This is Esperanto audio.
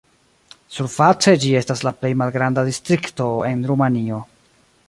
Surface ĝi estas la plej malgranda distrikto en Rumanio.